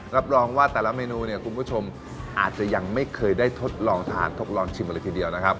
รับรองว่าแต่ละเมนูเนี่ยคุณผู้ชมอาจจะยังไม่เคยได้ทดลองทานทดลองชิมมาเลยทีเดียวนะครับ